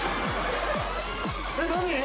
えっ何？